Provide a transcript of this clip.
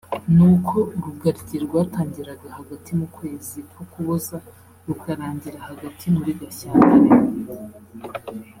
nuko urugaryi rwatangiraga hagati mu kwezi k’Ukuboza rukarangira hagati muri Gashyantare